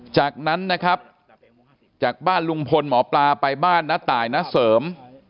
จากนั้นนะครับจากบ้านลุงพลหมอปลาไปบ้านน้าตายณเสริม